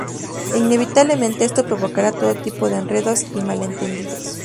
Inevitablemente esto provocará todo tipo de enredos y malentendidos.